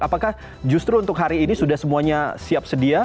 apakah justru untuk hari ini sudah semuanya siap sedia